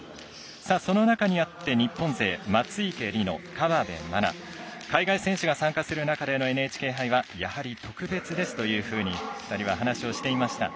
その中にあって日本勢松生理乃、河辺愛菜海外選手が参加する中でのＮＨＫ杯はやはり特別ですというふうに２人は話をしていました。